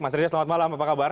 mas reza selamat malam apa kabar